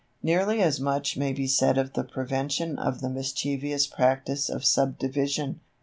Nearly as much may be said of the prevention of the mischievous practice of Subdivision.